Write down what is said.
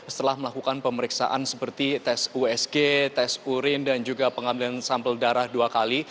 setelah melakukan pemeriksaan seperti tes usg tes urin dan juga pengambilan sampel darah dua kali